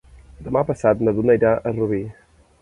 Demà passat na Duna irà a Rubí.